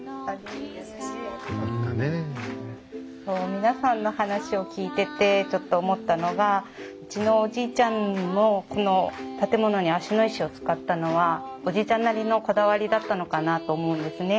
皆さんの話を聞いててちょっと思ったのがうちのおじいちゃんもこの建物に芦野石を使ったのはおじいちゃんなりのこだわりだったのかなと思うんですね。